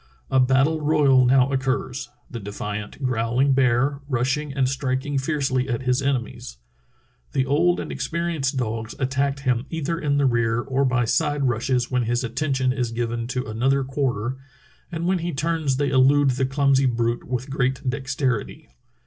A battle royal now occurs, the defiant, growling bear, rushing and striking fiercely at his enemies. The old and experienced dogs attack him either in the rear or by side rushes when his attention is given to another quar ter, and when he turns they elude the clumsy brute with great dexterity.